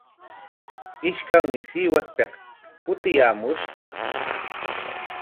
Ishkanmi Sihuaspik kutiyaamushqa.